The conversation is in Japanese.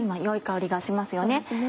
良い香りがしますよね。